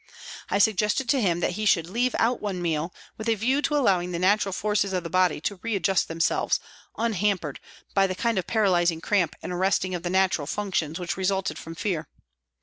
I suggested to him that he should leave out one meal, with a view to allowing the natural forces of the body to readjust themselves, unhampered by the kind of paralysing cramp and arresting of the natural functions which resulted from fear.